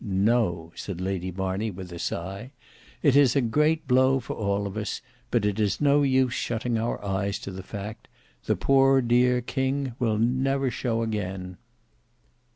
No," said Lady Marney with a sigh; "it is a great blow for all of us, but it is no use shutting our eyes to the fact. The poor dear king will never show again."